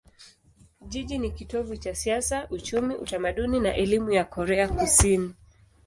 Jiji ni kitovu cha siasa, uchumi, utamaduni na elimu ya Korea Kusini.